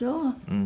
うん。